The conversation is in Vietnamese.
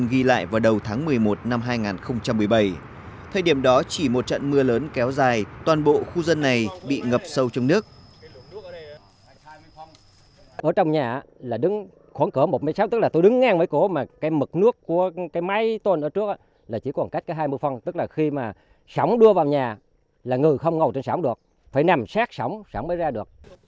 ghi lại vào đầu tháng một mươi một năm hai nghìn một mươi bảy thời điểm đó chỉ một trận mưa lớn kéo dài toàn bộ khu dân này bị ngập sâu trong nước